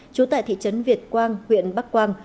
trú tại thị trấn việt quang huyện bắc quang